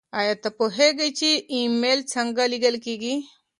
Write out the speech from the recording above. ایا ته پوهېږې چې ایمیل څنګه لیږل کیږي؟